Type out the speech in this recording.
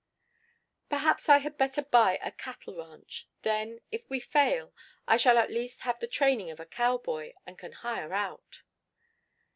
"Perhaps I had better buy a cattle ranch. Then, if we fail, I shall at least have had the training of a cowboy and can hire out."